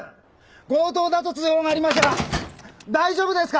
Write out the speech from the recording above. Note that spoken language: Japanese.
強盗だと通報がありましたが大丈夫ですか？